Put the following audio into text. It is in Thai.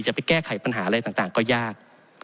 จะไปแก้ไขปัญหาอะไรต่างก็ยาก